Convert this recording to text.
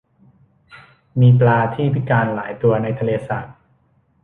มีปลาที่พิการหลายตัวในทะเลสาบ